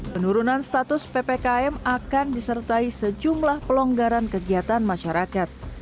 penurunan status ppkm akan disertai sejumlah pelonggaran kegiatan masyarakat